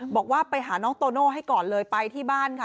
บอกว่าไปหาน้องโตโน่ให้ก่อนเลยไปที่บ้านค่ะ